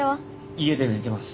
家で寝てます。